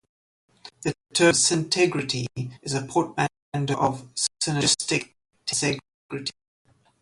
The term "Syntegrity" is a portmanteau of "synergistic tensegrity".